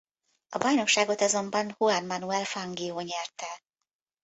A bajnokságot azonban Juan Manuel Fangio nyerte.